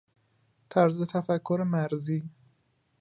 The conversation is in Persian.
طرز تفکر مرزی